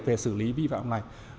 về xử lý vi phạm này